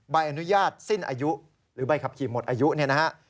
ใบอนุญาตสิ้นอายุหรือใบขับขี่หมดอายุเนี่ยนะฮะ